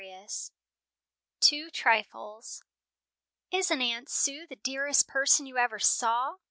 _ TWO TRIFLES "Isn't Aunt Sue the dearest person you ever saw!"